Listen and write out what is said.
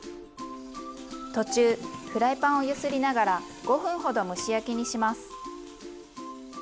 途中フライパンを揺すりながら５分ほど蒸し焼きにします。